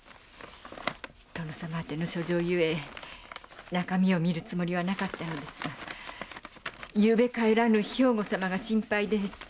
殿様あての書状ゆえ中身を見るつもりはなかったのですが昨夜帰らぬ兵庫様が心配でつい。